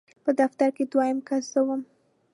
په دفتر کې دویم کس زه وم.